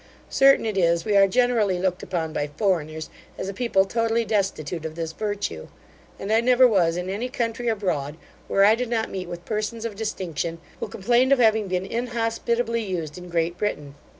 Certain it is, we are generally looked upon by foreigners, as a people totally destitute of this virtue; and I never was in any country abroad, where I did not meet with persons of distinction, who complained of having been inhospitably used in Great Britain.